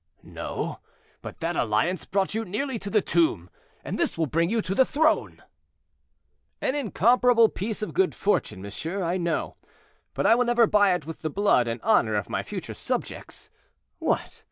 "No; but that alliance brought you nearly to the tomb, and this will bring you to the throne." "An incomparable piece of good fortune, monsieur, I know; but I will never buy it with the blood and honor of my future subjects. What!